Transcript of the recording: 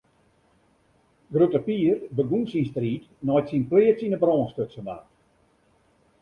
Grutte Pier begûn syn striid nei't syn pleats yn 'e brân stutsen waard.